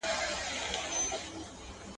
چي یاجوج ماجوج یې نه سي ړنګولای